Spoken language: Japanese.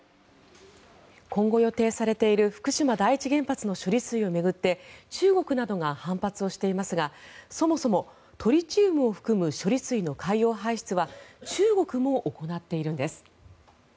今後予定されている福島第一原発の処理水を巡って中国などが反発をしていますがそもそもトリチウムを含む処理水の海洋排出は中国も行っているんです。